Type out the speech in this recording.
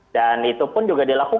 dan itu pun juga dilakukan